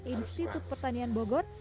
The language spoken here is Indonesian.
institut pertanian bogor